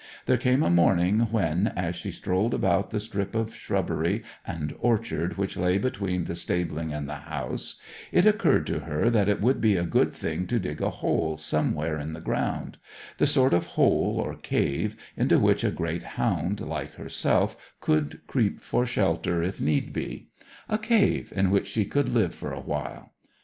There came a morning when, as she strolled about the strip of shrubbery and orchard which lay between the stabling and the house, it occurred to her that it would be a good thing to dig a hole somewhere in the ground; the sort of hole or cave into which a great hound like herself could creep for shelter if need be; a cave in which she could live for a while.